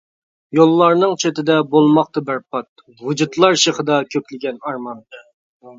يوللارنىڭ چېتىدە بولماقتا بەربات، ۋۇجۇدلار شېخىدا كۆكلىگەن ئارمان.